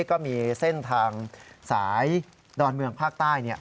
ก็มีเส้นทางสายดอนเมืองภาคใต้